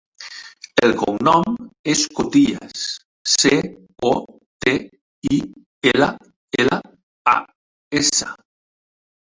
El cognom és Cotillas: ce, o, te, i, ela, ela, a, essa.